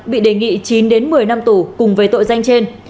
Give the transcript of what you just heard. bị đề nghị chín đến một mươi năm tù cùng với tội danh trên